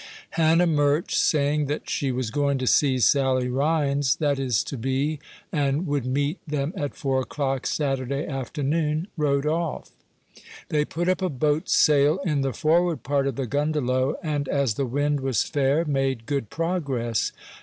Hannah Murch, saying that she was going to see Sally Rhines, that is to be, and would meet them at four o'clock Saturday afternoon, rode off. They put up a boat's sail in the forward part of the "gundelow," and, as the wind was fair, made good progress.